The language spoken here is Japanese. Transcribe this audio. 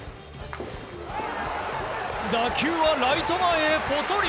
打球はライト前へポトリ。